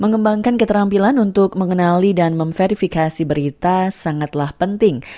mengembangkan keterampilan untuk mengenali dan memverifikasi berita sangatlah penting